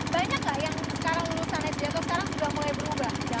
banyak nggak yang sekarang lulusan sd atau sekarang sudah mulai berubah